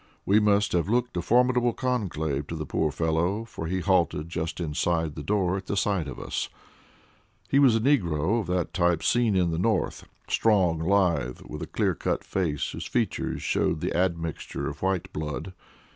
We must have looked a formidable conclave to the poor fellow, for he halted just inside the door at sight of us all. He was a negro of that type seen in the North strong, lithe, with a clear cut face whose features showed the admixture of white blood.